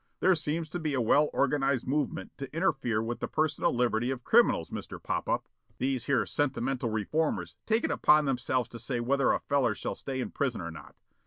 There seems to be a well organized movement to interfere with the personal liberty of criminals, Mr. Poppup. These here sentimental reformers take it upon themselves to say whether a feller shall stay in prison or not.